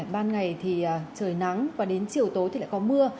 ban ngày thì trời nắng và đến chiều tối thì lại có mưa